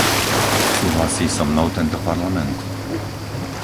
Súhlasí so mnou tento Parlament?